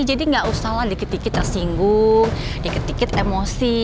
jadi gak usahlah dikit dikit tersinggung dikit dikit emosi